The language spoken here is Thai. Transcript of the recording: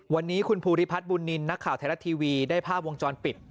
วันนี้คุณภูริพัฒน์บุญนินทร์นักข่าวไทยรัฐทีวีได้ภาพวงจรปิด